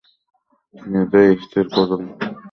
নিজেই স্থির করুন।